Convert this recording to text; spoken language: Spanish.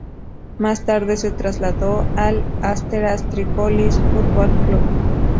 Más tarde, se trasladó al Asteras Tripolis Football Club.